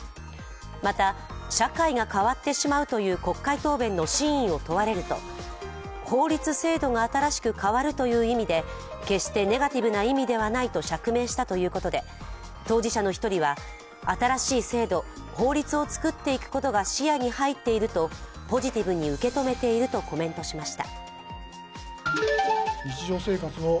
また、社会が変わってしまうという国会答弁の真意を問われると法律、制度が新しく変わるという意味で決してネガティブな意味ではないと釈明したということで当事者の一人は、新しい制度法律を作っていくことが視野に入っているとポジティブに受け止めているとコメントしました。